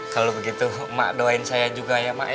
kalo begitu emak doain saya juga ya emak ya